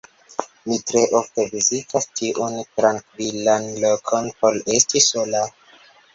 Mi tre ofte vizitas tiun trankvilan lokon por esti sola.